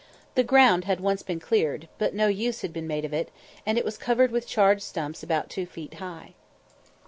The ground had once been cleared, but no use had been made of it, and it was covered with charred stumps about two feet high.